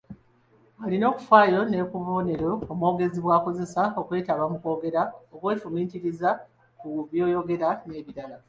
Alina okufaayo ne ku bubonero omwogezi bw’akozesa, okwetaba mu kwogera okwefumiitiriza ku byogerwa n’ebirala.